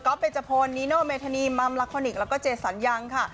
เบจพลนิโนเมธานีมัมลาคอนิกแล้วก็เจสันยังค่ะ